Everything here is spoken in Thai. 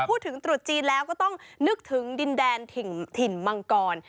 ตรุษจีนแล้วก็ต้องนึกถึงดินแดนถิ่นมังกร